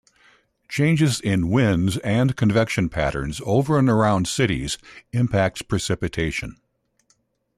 Changes in winds and convection patterns over and around cities impacts precipitation.